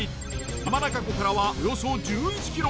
山中湖からはおよそ１１ｋｍ。